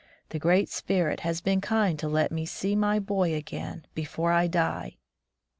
The Great Spirit has been kind to let me see my boy again before I die.